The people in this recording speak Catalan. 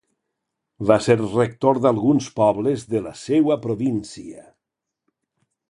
Va ser rector d'alguns pobles de la seua província.